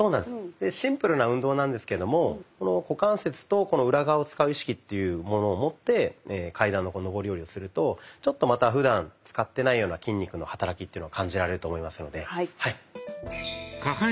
シンプルな運動なんですけどもこの股関節とこの裏側を使う意識というものを持って階段の上り下りをするとちょっとまたふだん使ってないような筋肉の働きっていうのを感じられると思いますので。